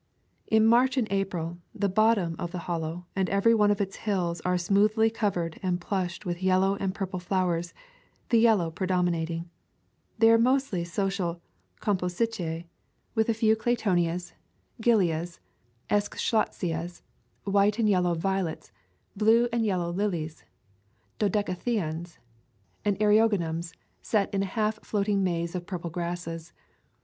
In March and April the bottom of the Hol low and every one of its hills are smoothly covered and plushed with yellow and purple flowers, the yellow predominating. They are mostly social Composite, with a few claytonias, [ 197 ] A Thousand Mile Walk gilias, eschscholtzias, white and yellow violets, blue and yellow lilies, dodecatheons, and eri ogonums set in a half floating maze of purple grasses.